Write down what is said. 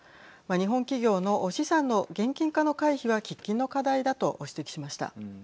日本企業の資産の現金化の回避は喫緊の課題だと指摘しました。